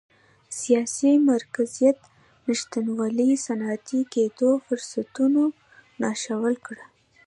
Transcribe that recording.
د سیاسي مرکزیت نشتوالي صنعتي کېدو فرصتونه ناشو کړل.